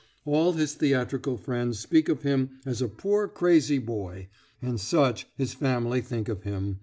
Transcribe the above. All his theatrical friends speak of him as a poor crazy boy, and such his family think of him.